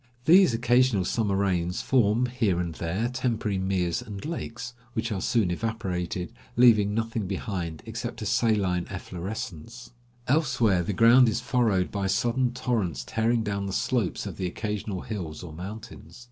These occasional summer rains form, here and there, temporary meres 166 Across Asia on a Bicycle and lakes, which are soon evaporated, leaving nothing behind except a saline efflorescence. Elsewhere the ground is furrowed by sudden torrents tearing down the slopes of the occasional hills or mountains.